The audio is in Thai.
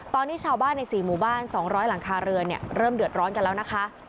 ตอนนี้ชาวบ้านใน๔หมู่บ้าน๒๐๐หลังคาเรือนเริ่มเดือดร้อนกันแล้วนะคะ